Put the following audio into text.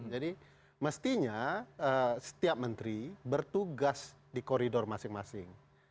jadi mestinya setiap menteri bertugas di koridor masing masing